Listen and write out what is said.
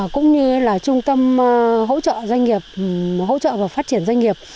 cũng như trung tâm hỗ trợ và phát triển doanh nghiệp